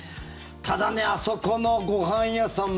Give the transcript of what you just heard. ただね、あそこのご飯屋さん